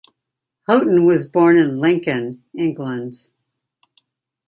Houghton was born in Lincoln, England.